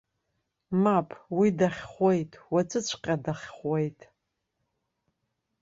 Мап, уи дахьхәуеит, уаҵәыҵәҟьа дахьхәуеит.